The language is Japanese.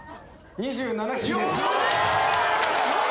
２７匹です！